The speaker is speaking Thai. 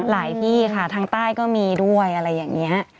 ที่ค่ะทางใต้ก็มีด้วยอะไรอย่างนี้